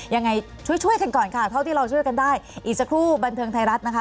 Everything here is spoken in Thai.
ยังไงช่วยช่วยกันก่อนค่ะเท่าที่เราช่วยกันได้อีกสักครู่บันเทิงไทยรัฐนะคะ